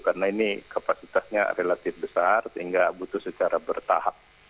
karena ini kapasitasnya relatif besar sehingga butuh secara bertahap